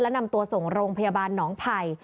นำตัวส่งโรงพยาบาลหนองไผ่